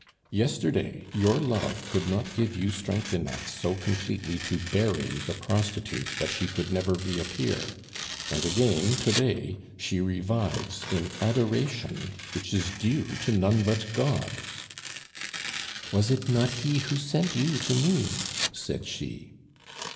Yesterday your love could not give you strength enough so completely to bury the prostitute that she could never reappear; and again to day she revives in adoration which is due to none but God." "Was it not He who sent you to me?" said she.